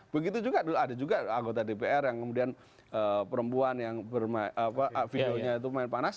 begitu juga dulu ada juga anggota dpr yang kemudian perempuan yang videonya itu main panas